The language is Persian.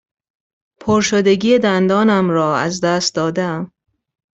پرشدگی دندانم را از دست داده ام.